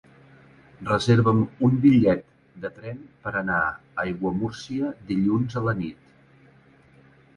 Reserva'm un bitllet de tren per anar a Aiguamúrcia dilluns a la nit.